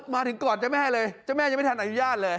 มาถึงก่อนเจ้าแม่เลยเจ้าแม่ยังไม่ทันอนุญาตเลย